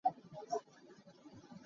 Zei hla dah na phan?